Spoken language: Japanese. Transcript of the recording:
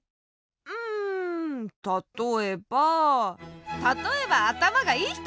うんたとえばたとえばあたまがいいひと！